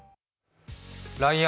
ＬＩＮＥ